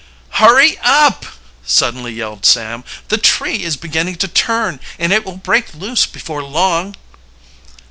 "Hurry up!" suddenly yelled Sam. "The tree is beginning to turn, and it will break loose before long."